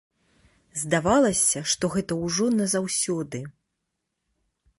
Здавалася, што гэта ўжо назаўсёды.